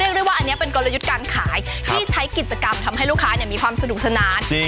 ได้ว่าอันนี้เป็นกลยุทธ์การขายที่ใช้กิจกรรมทำให้ลูกค้ามีความสนุกสนาน